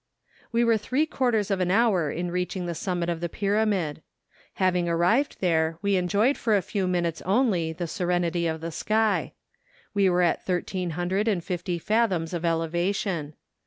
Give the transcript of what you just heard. We were three quarters of an hour in reach¬ ing the summit of the pyramid. Having arrived there, we enjoyed for a few minutes only the se¬ renity of the sky. We were at thirteen hundred and fifty fathoms of elevation.